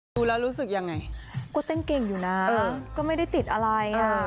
ดูแล้วรู้สึกยังไงก็เต้นเก่งอยู่นะก็ไม่ได้ติดอะไร